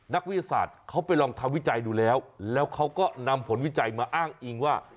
นักวิทยาศาสตร์เขาไปลองทำวิจัยดูแล้วแล้วเขาก็นำผลวิจัยมาอ้างอิงว่า